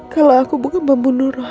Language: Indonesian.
kalau aku bukan pembunuh